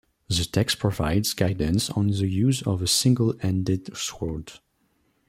The text provides guidance on the use of a single-handed sword.